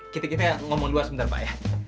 kita kita ngomong dua sebentar pak ya